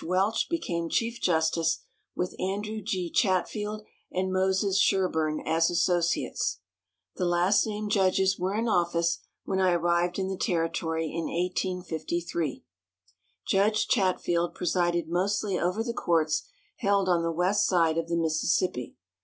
Welch became chief justice, with Andrew G. Chatfield and Moses Sherburne as associates. The last named judges were in office when I arrived in the territory, in 1853. Judge Chatfield presided mostly over the courts held on the west side of the Mississippi.